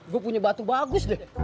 gue punya batu bagus deh